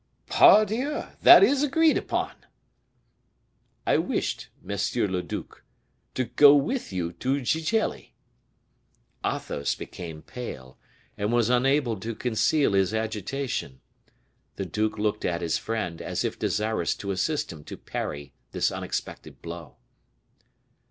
"Pardieu! That is agreed upon." "I wished, monsieur le duc, to go with you to Gigelli." Athos became pale, and was unable to conceal his agitation. The duke looked at his friend, as if desirous to assist him to parry this unexpected blow.